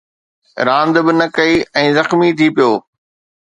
راند به نه ڪئي ۽ زخمي ٿي پيو